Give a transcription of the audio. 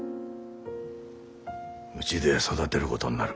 うちで育てることになる。